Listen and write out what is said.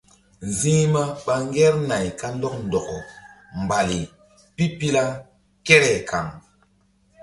Nzi̧hma ɓa ŋgernay kandɔk ndɔkɔ mbali pipila kere kaŋ.